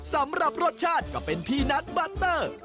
สำหรับรสชาติก็เป็นพี่นัทบัตเตอร์